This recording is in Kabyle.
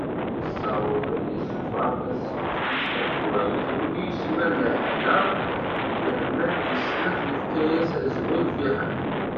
Yessaweḍ ad d-yessufeɣ tasfift-is tamezwarut, iwumi isemma Lehna, yerna-d tis snat, yefka-as azwel Fiḥel.